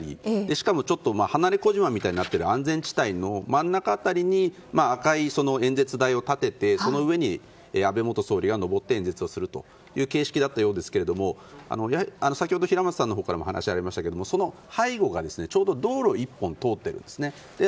しかもちょっと離れ小島みたいになってる安全地帯の真ん中辺りに赤い演説台を立ててそこの上に安倍総理は上って演説をするという形式のようでしたけども先ほど平松さんからも話がありましたが、背後がちょうど道路が１本通っているんですよね。